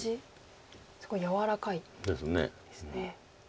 すごい柔らかいですね。